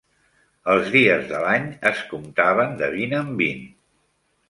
Els dies de l'any es comptaven de vint en vint.